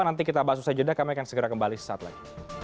nanti kita bahas usai jeda kami akan segera kembali sesaat lagi